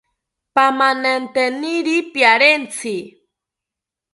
Pamananteniri pariantzi